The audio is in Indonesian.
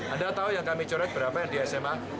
anda tahu yang kami coret berapa yang di sma